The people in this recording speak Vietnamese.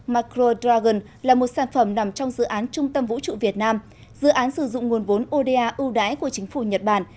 macro dragon là một sản phẩm nằm trong dự án trung tâm vũ trụ việt nam dự án sử dụng nguồn vốn oda ưu đãi của chính phủ nhật bản